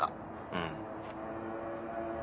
うん。